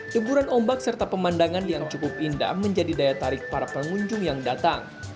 teguran ombak serta pemandangan yang cukup indah menjadi daya tarik para pengunjung yang datang